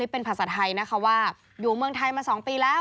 บอกว่าไม่ได้